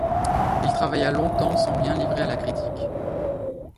Il travailla longtemps, sans rien livrer à la critique.